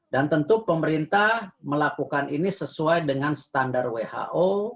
dan tentu pemerintah melakukan ini sesuai dengan standar who